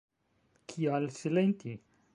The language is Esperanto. Kial silenti?